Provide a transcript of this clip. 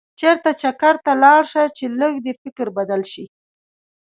چېرته چکر ته لاړ شه چې لږ دې فکر بدل شي.